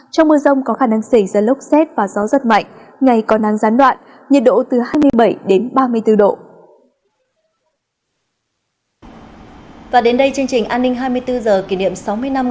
trong mưa rông có khả năng xảy ra lốc xét và gió giật mạnh